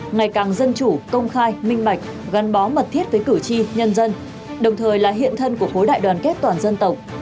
ngày càng dân chủ công khai minh bạch gắn bó mật thiết với cử tri nhân dân đồng thời là hiện thân của khối đại đoàn kết toàn dân tộc